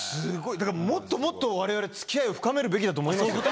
だからもっともっとわれわれ付き合いを深めるべきだと思いますよ。